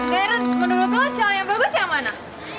karen menurut lo sial yang bagus yang mana